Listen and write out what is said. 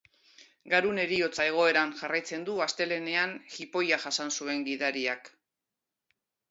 Garun heriotza egoeran jarraitzen du astelehenean jipoia jasan zuen gidariak.